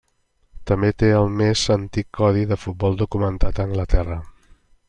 També té el més antic codi de futbol documentat a Anglaterra.